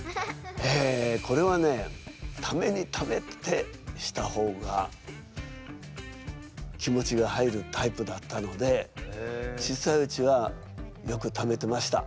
えこれはねためにためてした方が気持ちが入るタイプだったので小さいうちはよくためてました。